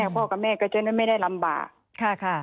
พ่อกับแม่ก็จะไม่ได้ลำบาก